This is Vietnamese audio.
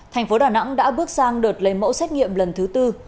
thành phố đà nẵng đã bước sang đợt lấy mẫu xét nghiệm lần thứ tư